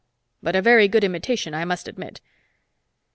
But a very good imitation, I must admit."